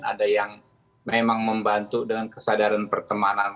ada yang memang membantu dengan kesadaran pertemanan